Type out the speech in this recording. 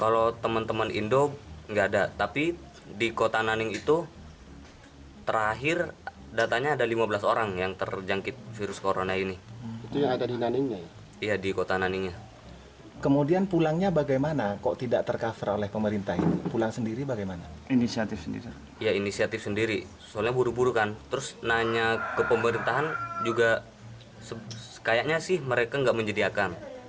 sekayaknya sih mereka nggak menjadi akan